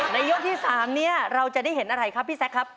ยกที่๓นี้เราจะได้เห็นอะไรครับพี่แซคครับ